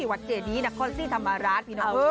วัตเจดีดังคอลซีธรรมาราช